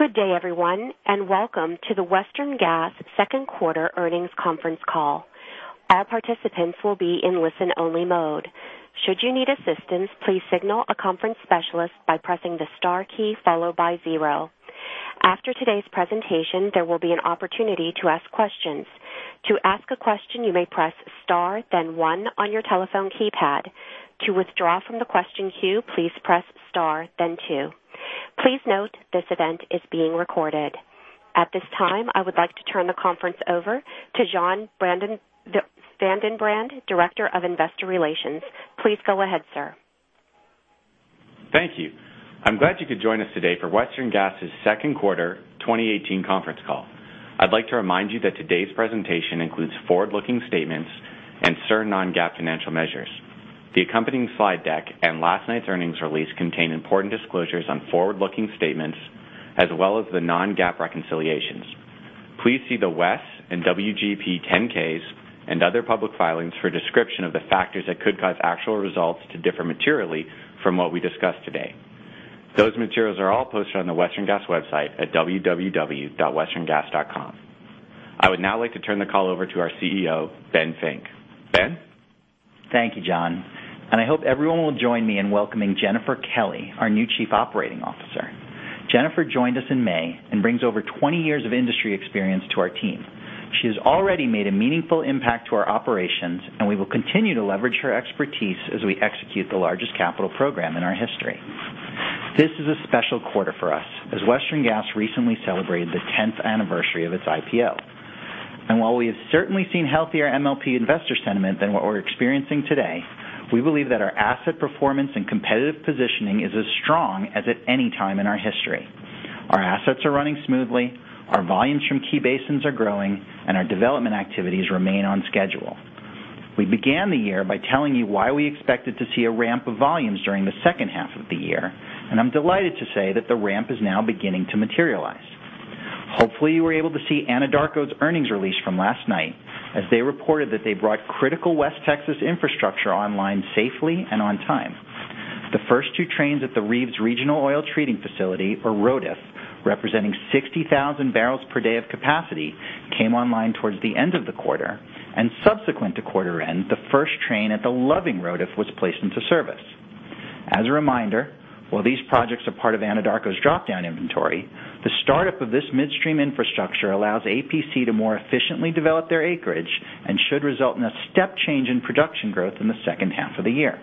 Good day, everyone, and welcome to the Western Gas second quarter earnings conference call. All participants will be in listen-only mode. Should you need assistance, please signal a conference specialist by pressing the star key followed by zero. After today's presentation, there will be an opportunity to ask questions. To ask a question, you may press star then one on your telephone keypad. To withdraw from the question queue, please press star then two. Please note this event is being recorded. At this time, I would like to turn the conference over to Jon VandenBrand, Director of Investor Relations. Please go ahead, sir. Thank you. I'm glad you could join us today for Western Gas's second quarter 2018 conference call. I'd like to remind you that today's presentation includes forward-looking statements and certain non-GAAP financial measures. The accompanying slide deck and last night's earnings release contain important disclosures on forward-looking statements, as well as the non-GAAP reconciliations. Please see the WES and WGP 10-Ks and other public filings for a description of the factors that could cause actual results to differ materially from what we discuss today. Those materials are all posted on the Western Gas website at www.westerngas.com. I would now like to turn the call over to our CEO, Ben Fink. Ben? Thank you, Jon, I hope everyone will join me in welcoming Gennifer Kelly, our new Chief Operating Officer. Gennifer joined us in May and brings over 20 years of industry experience to our team. She has already made a meaningful impact to our operations, and we will continue to leverage her expertise as we execute the largest capital program in our history. This is a special quarter for us as Western Gas recently celebrated the 10th anniversary of its IPO. While we have certainly seen healthier MLP investor sentiment than what we're experiencing today, we believe that our asset performance and competitive positioning is as strong as at any time in our history. Our assets are running smoothly, our volumes from key basins are growing, and our development activities remain on schedule. We began the year by telling you why we expected to see a ramp of volumes during the second half of the year, and I'm delighted to say that the ramp is now beginning to materialize. Hopefully, you were able to see Anadarko's earnings release from last night as they reported that they brought critical West Texas infrastructure online safely and on time. The first two trains at the Reeves Regional Oil Treating Facility, or ROTF, representing 60,000 barrels per day of capacity, came online towards the end of the quarter, and subsequent to quarter end, the first train at the Loving ROTF was placed into service. As a reminder, while these projects are part of Anadarko's drop-down inventory, the startup of this midstream infrastructure allows APC to more efficiently develop their acreage and should result in a step change in production growth in the second half of the year.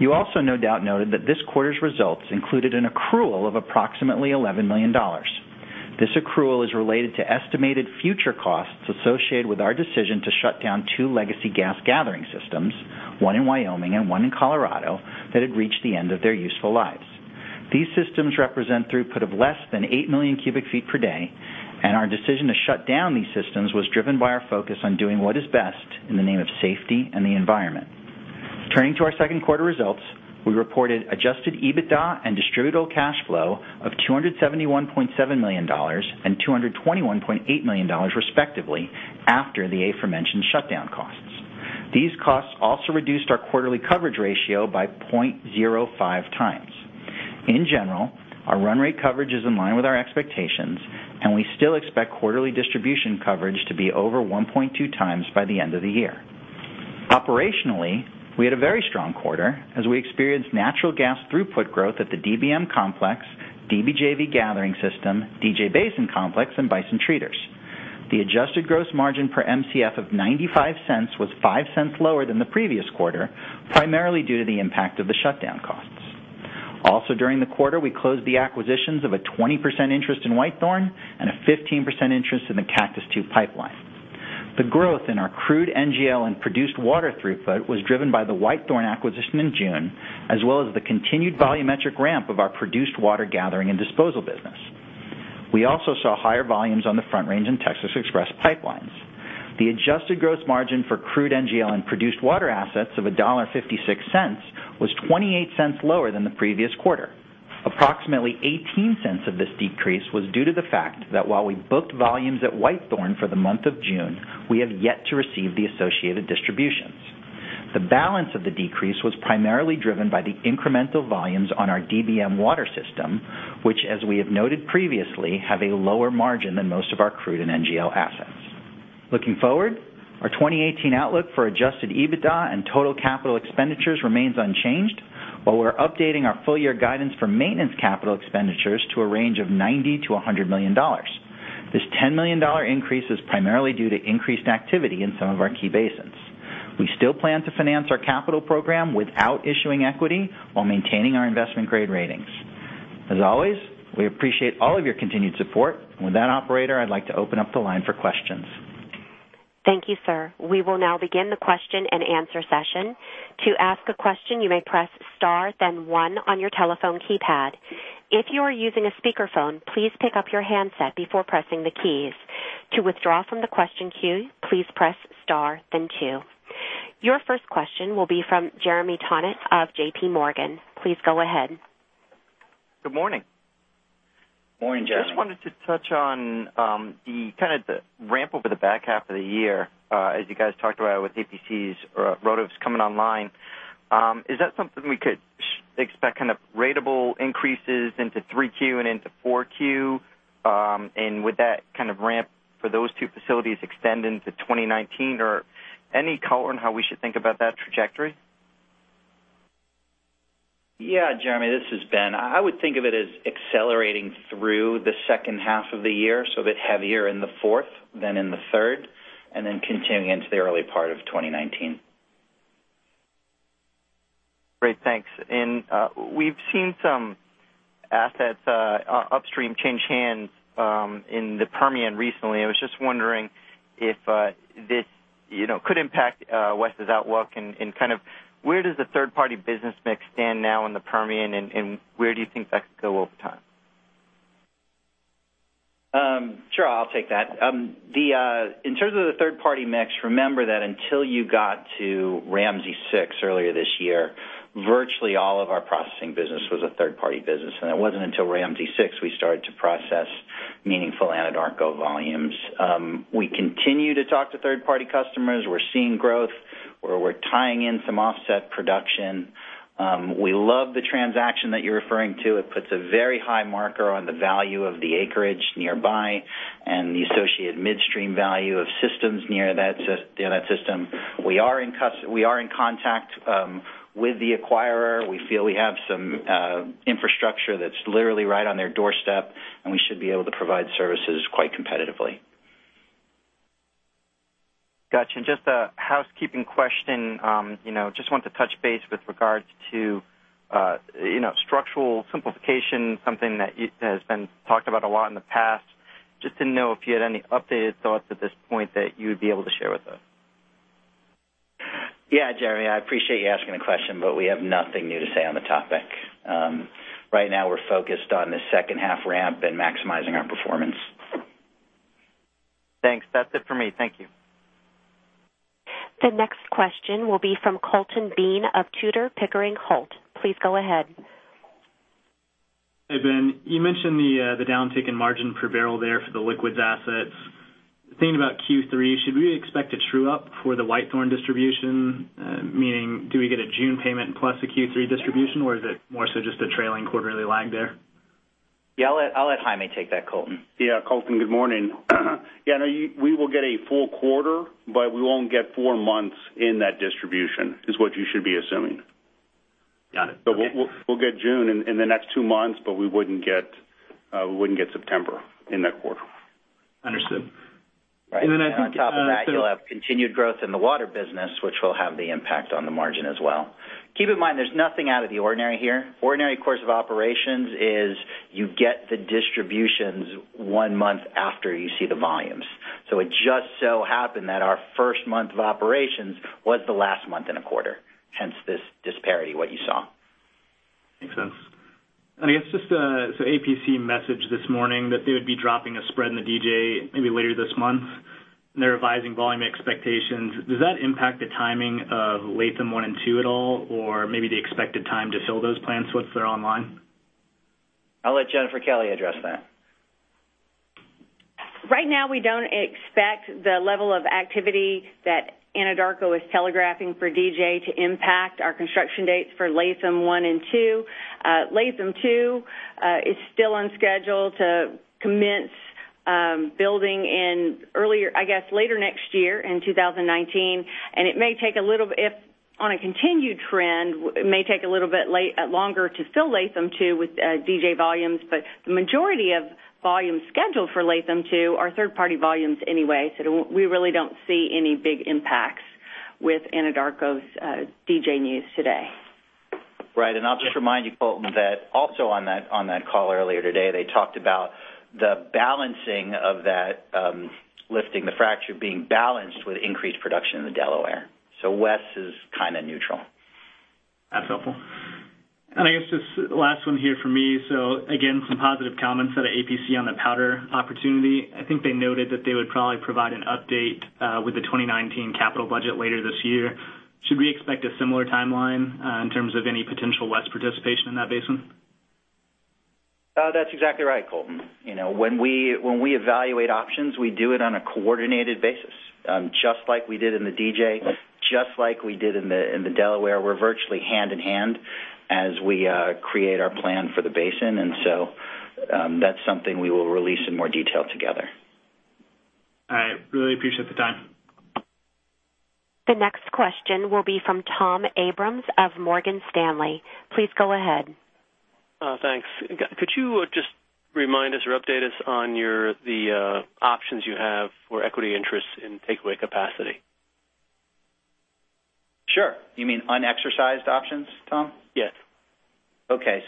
You also no doubt noted that this quarter's results included an accrual of approximately $11 million. This accrual is related to estimated future costs associated with our decision to shut down two legacy gas gathering systems, one in Wyoming and one in Colorado, that had reached the end of their useful lives. These systems represent throughput of less than 8 million cu ft per day, and our decision to shut down these systems was driven by our focus on doing what is best in the name of safety and the environment. Turning to our second quarter results, we reported Adjusted EBITDA and distributable cash flow of $271.7 million and $221.8 million, respectively, after the aforementioned shutdown costs. These costs also reduced our quarterly coverage ratio by 0.05 times. In general, our run rate coverage is in line with our expectations, and we still expect quarterly distribution coverage to be over 1.2 times by the end of the year. Operationally, we had a very strong quarter as we experienced natural gas throughput growth at the DBM Complex, DBJV Gathering System, DJ Basin Complex and Bison Treaters. The adjusted gross margin per Mcf of $0.95 was $0.05 lower than the previous quarter, primarily due to the impact of the shutdown costs. During the quarter, we closed the acquisitions of a 20% interest in Whitethorn and a 15% interest in the Cactus II Pipeline. The growth in our crude NGL and produced water throughput was driven by the Whitethorn acquisition in June, as well as the continued volumetric ramp of our produced water gathering and disposal business. We also saw higher volumes on the Front Range and Texas Express pipelines. The adjusted gross margin for crude NGL and produced water assets of $1.56 was $0.28 lower than the previous quarter. Approximately $0.18 of this decrease was due to the fact that while we booked volumes at Whitethorn for the month of June, we have yet to receive the associated distributions. The balance of the decrease was primarily driven by the incremental volumes on our DBM water system, which, as we have noted previously, have a lower margin than most of our crude and NGL assets. Looking forward, our 2018 outlook for Adjusted EBITDA and total capital expenditures remains unchanged, while we're updating our full year guidance for maintenance capital expenditures to a range of $90 million-$100 million. This $10 million increase is primarily due to increased activity in some of our key basins. We still plan to finance our capital program without issuing equity while maintaining our investment-grade ratings. As always, we appreciate all of your continued support. With that, operator, I'd like to open up the line for questions. Thank you, sir. We will now begin the question-and-answer session. To ask a question, you may press star then one on your telephone keypad. If you are using a speakerphone, please pick up your handset before pressing the keys. To withdraw from the question queue, please press star then two. Your first question will be from Jeremy Tonet of JPMorgan. Please go ahead. Good morning. Morning, Jeremy. Just wanted to touch on, the kind of the ramp over the back half of the year, as you guys talked about with APC's ROTFs coming online. Is that something we could expect kind of ratable increases into 3Q and into 4Q, and would that kind of ramp for those two facilities extend into 2019 or any color on how we should think about that trajectory? Jeremy, this is Ben. I would think of it as accelerating through the second half of the year, so a bit heavier in the fourth than in the third, and then continuing into the early part of 2019. Great. Thanks. We've seen some assets upstream change hands in the Permian recently. I was just wondering if this, you know, could impact WES's outlook and kind of where does the third-party business mix stand now in the Permian and where do you think that could go over time? Sure, I'll take that. In terms of the third-party mix, remember that until you got to Ramsey 6 earlier this year, virtually all of our processing business was a third-party business. It wasn't until Ramsey 6 we started to process meaningful Anadarko volumes. We continue to talk to third-party customers. We're seeing growth where we're tying in some offset production. We love the transaction that you're referring to. It puts a very high marker on the value of the acreage nearby and the associated midstream value of systems near that system. We are in contact with the acquirer. We feel we have some infrastructure that's literally right on their doorstep, and we should be able to provide services quite competitively. Gotcha. Just a housekeeping question. You know, just wanted to touch base with regards to, you know, structural simplification, something that has been talked about a lot in the past. Just to know if you had any updated thoughts at this point that you would be able to share with us. Yeah, Jeremy, I appreciate you asking the question. We have nothing new to say on the topic. Right now we're focused on the second half ramp and maximizing our performance. Thanks. That's it for me. Thank you. The next question will be from Colton Bean of Tudor, Pickering, Holt. Please go ahead. Hey, Ben, you mentioned the downtick in margin per barrel there for the liquids assets. The thing about Q3, should we expect to true up for the Whitethorn distribution? Meaning do we get a June payment plus a Q3 distribution, or is it more so just a trailing quarterly lag there? Yeah, I'll let Jaime take that, Colton. Yeah, Colton, good morning. Yeah, no, we will get a full quarter. We won't get 4 months in that distribution, is what you should be assuming. Got it. Okay. We'll get June in the next two months, but we wouldn't get, we wouldn't get September in that quarter. Understood. I think, On top of that, you'll have continued growth in the water business, which will have the impact on the margin as well. Keep in mind, there's nothing out of the ordinary here. Ordinary course of operations is you get the distributions one month after you see the volumes. It just so happened that our first month of operations was the last month in a quarter, hence this disparity, what you saw. Makes sense. I think it's just, APC message this morning that they would be dropping a spread in the DJ maybe later this month, and they're revising volume expectations. Does that impact the timing of Latham I and II at all, or maybe the expected time to fill those plants once they're online? I'll let Gennifer Kelly address that. Right now, we don't expect the level of activity that Anadarko is telegraphing for DJ to impact our construction dates for Latham I and II. Latham II is still on schedule to commence building later next year in 2019. It may take a little bit longer to fill Latham II with DJ volumes. The majority of volumes scheduled for Latham II are third-party volumes anyway, so we really don't see any big impacts with Anadarko's DJ news today. Right. I'll just remind you, Colton, that also on that call earlier today, they talked about the balancing of that, lifting the frac spread being balanced with increased production in the Delaware. West is kind of neutral. That's helpful. I guess just last one here for me. Again, some positive comments out of APC on the Powder opportunity. I think they noted that they would probably provide an update with the 2019 capital budget later this year. Should we expect a similar timeline in terms of any potential WES participation in that basin? That's exactly right, Colton. You know, when we evaluate options, we do it on a coordinated basis, just like we did in the DJ, just like we did in the Delaware. We're virtually hand in hand as we create our plan for the basin. That's something we will release in more detail together. All right. Really appreciate the time. The next question will be from Tom Abrams of Morgan Stanley. Please go ahead. Thanks. Could you just remind us or update us on the options you have for equity interests in takeaway capacity? Sure. You mean unexercised options, Tom? Yes.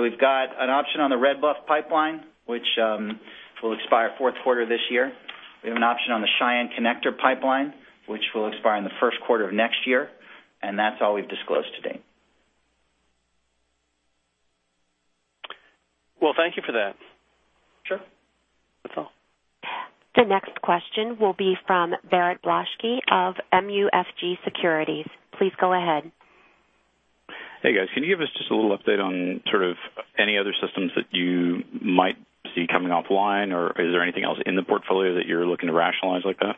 We've got an option on the Red Bluff pipeline, which will expire fourth quarter this year. We have an option on the Cheyenne Connector pipeline, which will expire in the first quarter of next year. That's all we've disclosed to date. Well, thank you for that. Sure. That's all. The next question will be from Barrett Blaschke of MUFG Securities. Please go ahead. Hey, guys. Can you give us just a little update on sort of any other systems that you might see coming offline? Is there anything else in the portfolio that you're looking to rationalize like that?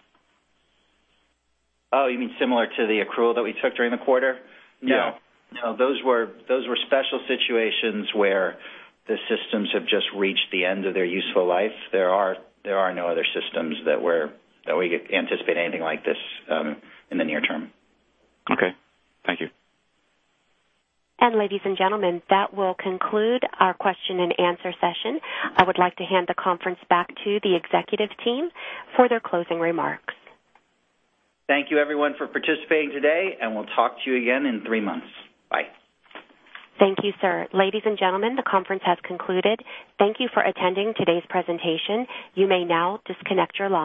Oh, you mean similar to the accrual that we took during the quarter? Yeah. No. Those were special situations where the systems have just reached the end of their useful life. There are no other systems that we could anticipate anything like this in the near term. Okay. Thank you. Ladies and gentlemen, that will conclude our question-and-answer session. I would like to hand the conference back to the executive team for their closing remarks. Thank you, everyone, for participating today, and we'll talk to you again in three months. Bye. Thank you, sir. Ladies and gentlemen, the conference has concluded. Thank you for attending today's presentation. You may now disconnect your line.